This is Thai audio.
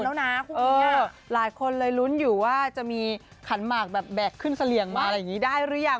แล้วนะคู่นี้หลายคนเลยลุ้นอยู่ว่าจะมีขันหมากแบบแบกขึ้นเสลี่ยงมาอะไรอย่างนี้ได้หรือยัง